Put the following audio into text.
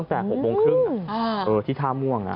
ตั้งแต่๖โมงครึ่งน่ะที่ท่าหม่วงอ่ะ